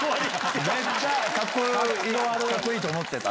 めっちゃカッコいいと思ってた。